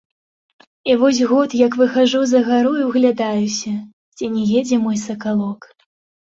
І вось год, як выхаджу за гару і ўглядаюся, ці не едзе мой сакалок.